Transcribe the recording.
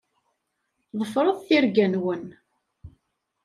Ḍefṛet tirga-nwen.